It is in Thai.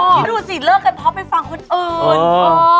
คิดดูสิเลิกกันเพราะไปฟังคนอื่น